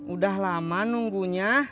udah lama nunggunya